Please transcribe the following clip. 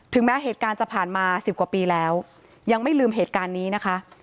แม้เหตุการณ์จะผ่านมาสิบกว่าปีแล้วยังไม่ลืมเหตุการณ์นี้นะคะ